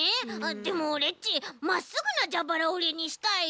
でもオレっちまっすぐなじゃばらおりにしたいよ！